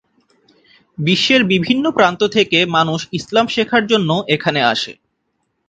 বিশ্বের বিভিন্ন প্রান্ত থেকে মানুষ ইসলাম শেখার জন্য এখানে আসে।